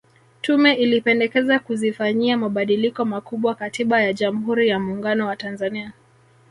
Tume ilipendekeza kuzifanyia mabadiliko makubwa Katiba ya Jamhuri ya Muungano wa Tanzania